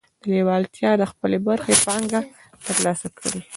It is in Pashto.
لېوالتیا د خپلې برخې پانګه ترلاسه کړې وه.